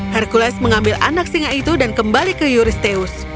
hercules mengambil anak singa itu dan kembali ke euristeus